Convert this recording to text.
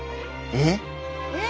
えっ！